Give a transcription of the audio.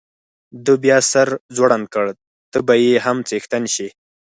ده بیا سر ځوړند کړ، ته به یې هم څښتن شې.